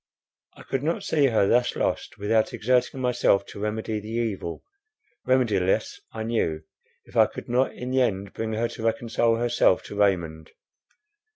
I could not see her thus lost, without exerting myself to remedy the evil —remediless I knew, if I could not in the end bring her to reconcile herself to Raymond.